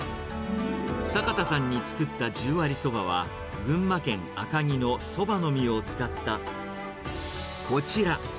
坂田さんに作った十割そばは、群馬県赤城のそばの実を使ったこちら。